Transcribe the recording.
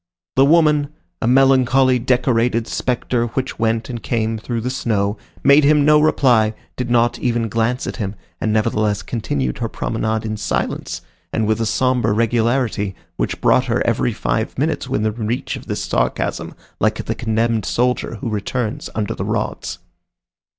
The woman, a melancholy, decorated spectre which went and came through the snow, made him no reply, did not even glance at him, and nevertheless continued her promenade in silence, and with a sombre regularity, which brought her every five minutes within reach of this sarcasm, like the condemned soldier who returns under the rods.